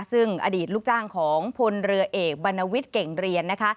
ซึ่งอดีตลูกจ้างของพลเรือเอกบรรณวิทย์เก่งเรียนนะคะ